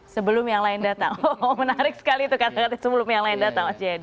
sebelum yang lain datang menarik sekali itu kata kata sebelum yang lain datang mas jayadi